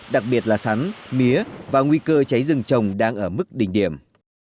đặc biệt là sắn mía và nguy cơ cháy rừng trồng đang ở mức đỉnh điểm